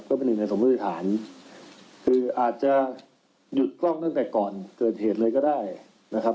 ก็เป็นหนึ่งในสมมติฐานคืออาจจะหยุดกล้องตั้งแต่ก่อนเกิดเหตุเลยก็ได้นะครับ